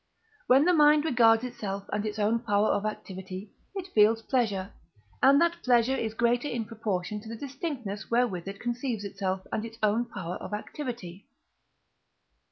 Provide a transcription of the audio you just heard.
When the mind regards itself and its own power of activity, it feels pleasure: and that pleasure is greater in proportion to the distinctness wherewith it conceives itself and its own power of activity.